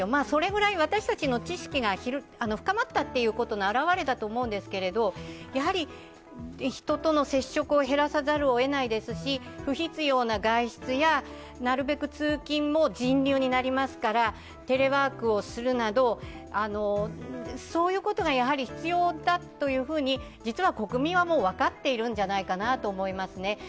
それぐらい私たちの知識が深まったということの表れだと思うんですけれども、人との接触を減らさざるをえないですし、不必要な外出や、なるべく通勤も人流になりますから、テレワークをするなど、そういうことが必要だと実は国民はもう分かっているんじゃないかなと思いますね。